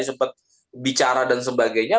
sempat bicara dan sebagainya